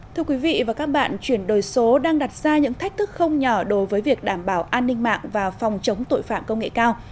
thưa quý vị và các bạn chuyển đổi số đang đặt ra những thách thức không nhỏ đối với việc đảm bảo an ninh mạng và phòng chống tội phạm công nghệ cao